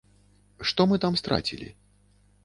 Што мы там страцілі?